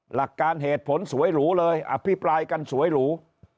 หลักการเหตุผลสวยหรูเลยอภิปรายกันสวยหรู